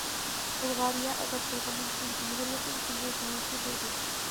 بۇلغارىيە ئازاد بولغاندىن كېيىن، جۇمھۇرىيەتنىڭ تۇنجى زۇڭلىسى بولدى.